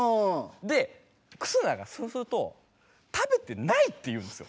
で忽那がそうすると「食べてない」って言うんですよ。